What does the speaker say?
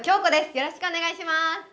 よろしくお願いします。